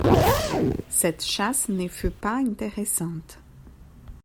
Cette chasse ne fut pas intéressante.